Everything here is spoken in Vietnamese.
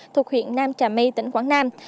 thuộc huyện nam trà my tỉnh quảng nam